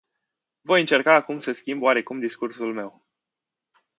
Voi încerca acum să schimb oarecum discursul meu.